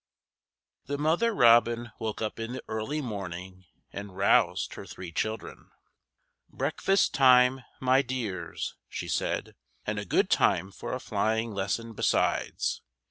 THE mother robin woke up in the early morning and roused her three children. "Breakfast time, my dears!" she said; "and a good time for a flying lesson, besides.